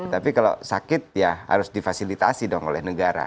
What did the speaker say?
tapi kalau sakit ya harus difasilitasi dong oleh negara